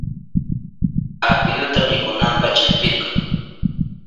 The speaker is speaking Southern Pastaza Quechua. Apiyuta mikunanpa chillpirka.